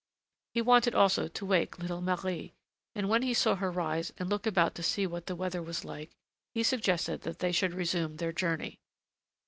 He wanted also to wake little Marie; and when he saw her rise and look about to see what the weather was like, he suggested that they should resume their journey.